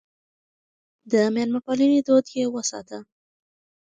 د مېلمه پالنې دود يې وساته.